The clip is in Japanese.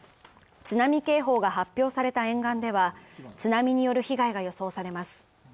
津波警報が発表された沿岸では津波による被害が予想されます。